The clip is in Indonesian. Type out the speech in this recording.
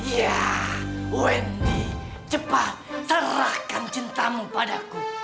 ya wendy cepat serahkan cintamu padaku